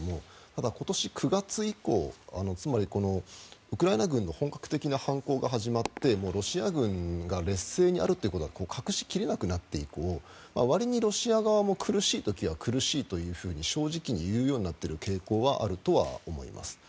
ただ、今年９月以降つまりウクライナ軍の本格的な反攻が始まってロシア軍が劣勢にあるということが隠し切れなくなって以降わりにロシア側も苦しい時には苦しいと正直に言うようになっている傾向はあるとは思います。